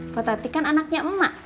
kok tati kan anaknya emak